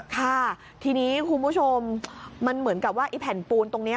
ค่ะทีนี้คุณผู้ชมมันเหมือนกับว่าไอ้แผ่นปูนตรงนี้